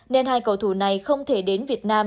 nên hai cầu thủ này không thể đến việt nam